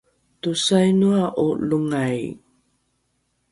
tosainoa’o longai?